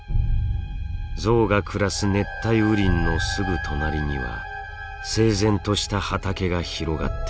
ゾウが暮らす熱帯雨林のすぐ隣には整然とした畑が広がっています。